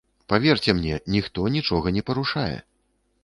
Паверце мне, ніхто нічога не парушае.